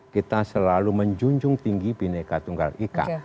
kita selalu menjunjung tinggi bhinneka tunggal ika